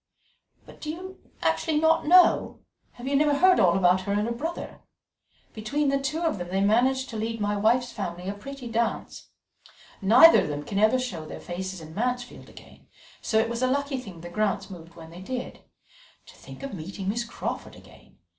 "But do you actually not know? Have you never heard all about her and her brother? Between the two of them they managed to lead my wife's family a pretty dance. Neither of them can ever show their faces in Mansfield again, so it was a lucky thing the Grants moved when they did. To think of meeting Miss Crawford again!